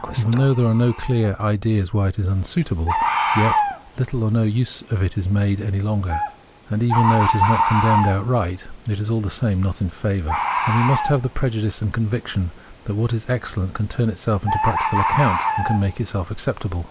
Even though there is no clear idea why it is unsuitable, yet little or no use is made of it any longer ; and even though it is not condemned outright, it is all the same not in favour. And we must have the prejudice and conviction that what is excellent can turn itself to practical account, and make itself acceptable.